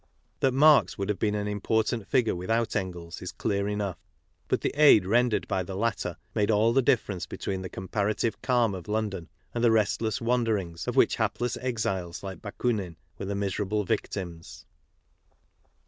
That Marx would have been an important figure without Engels is clear enough ; but the aid ren dered by the latter made all the difference between the comparative calm of London and the restless wanderings of which hapless exiles like Bakunin were the miserable victims.